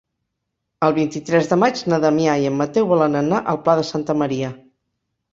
El vint-i-tres de maig na Damià i en Mateu volen anar al Pla de Santa Maria.